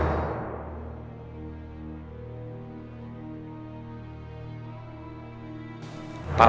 mungkin keadaan kami lebih buruk lagi